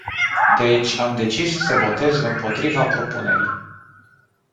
Deci am decis să votez împotriva propunerii.